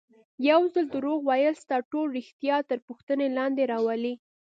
یو ځل دروغ ویل ستا ټول ریښتیا تر پوښتنې لاندې راولي.